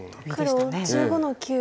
黒１５の九トビ。